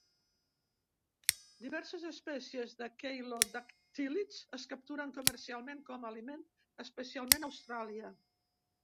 Diverses espècies de queilodactílids es capturen comercialment com a aliment, especialment a Austràlia.